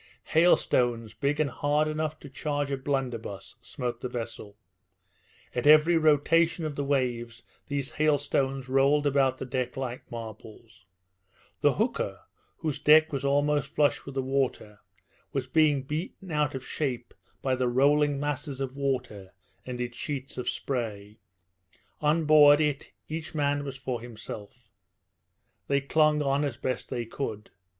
Hailstones, big and hard enough to charge a blunderbuss, smote the vessel; at every rotation of the waves these hailstones rolled about the deck like marbles. The hooker, whose deck was almost flush with the water, was being beaten out of shape by the rolling masses of water and its sheets of spray. On board it each man was for himself. They clung on as best they could.